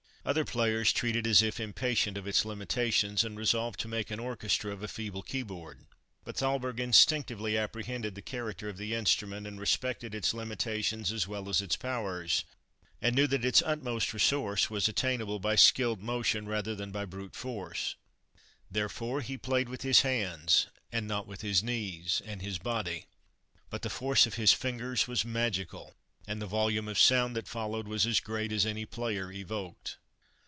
Other players treat it as if impatient of its limitations, and resolved to make an orchestra of a feeble key board. But Thalberg instinctively apprehended the character of the instrument, and respected its limitations as well as its powers, and knew that its utmost resource was attainable by skilled motion rather than by brute force. Therefore he played with his hands, and not with his knees and his body. But the force of his fingers was magical, and the volume of sound that followed was as great as any player evoked.